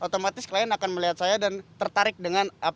ya udah salah gps oke dariwide